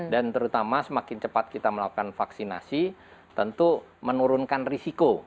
dan terutama semakin cepat kita melakukan vaksinasi tentu menurunkan risiko